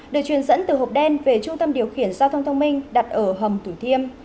được truyền dẫn từ hộp đen về trung tâm điều khiển giao thông thông minh đặt ở hầm thủ thiêm